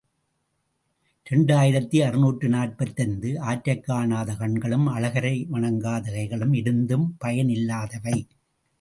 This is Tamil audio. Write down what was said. இரண்டு ஆயிரத்து அறுநூற்று நாற்பத்தைந்து ஆற்றைக் காணாத கண்களும் அழகரை வணங்காத கைகளும் இருந்தும் பயன் இல்லாதவை.